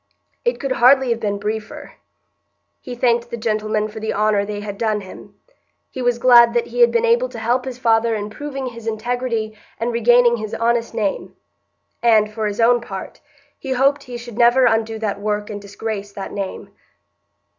It could hardly have been briefer. He thanked the gentlemen for the honour they had done him. He was glad that he had been able to help his father in proving his integrity and regaining his honest name; and, for his own part, he hoped he should never undo that work and disgrace that name.